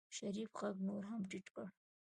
شريف غږ نور هم ټيټ کړ.